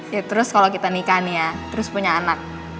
ya terus kalau kita nikah nih ya terus punya anak